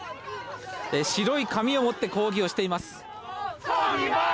白い紙を持って抗議をしています。